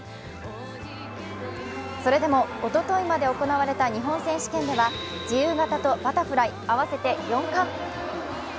それでも、おとといまで行われた日本選手権では自由形とバタフライ、合わせて４冠。